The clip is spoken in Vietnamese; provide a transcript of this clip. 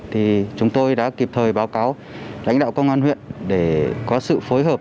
thì chúng tôi đã kịp thời báo cáo lãnh đạo công an huyện để có sự phối hợp